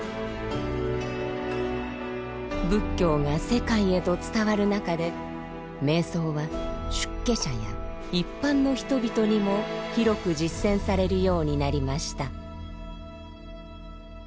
仏教が世界へと伝わる中で瞑想は出家者や一般の人々にも広く実践されるようになりました。